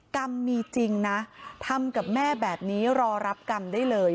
กรรมมีจริงนะทำกับแม่แบบนี้รอรับกรรมได้เลย